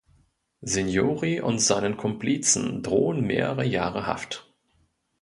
Signori und seinen Komplizen drohen mehrere Jahre Haft.